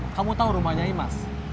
kamu tau rumahnya imas